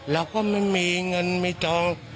เราก็ไม่มีเงินมีจอง